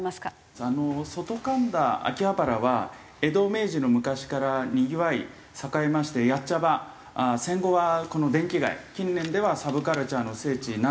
外神田秋葉原は江戸明治の昔からにぎわい栄えましてやっちゃ場戦後はこの電気街近年ではサブカルチャーの聖地などですね